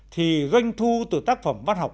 thì doanh thu từ tác phẩm văn học